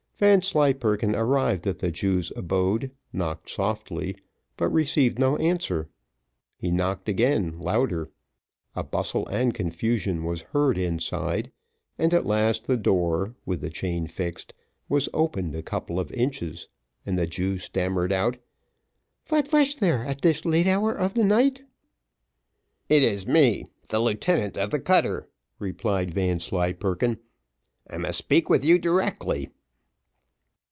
Vanslyperken arrived at the Jew's abode, knocked softly, but received no answer: he knocked again, louder; a bustle and confusion was heard inside, and at last the door, with the chain fixed, was opened a couple of inches, and the Jew stammered out, "Wot vash there at this late hour of the night?" "It is me, the lieutenant of the cutter," replied Vanslyperken. "I must speak with you directly."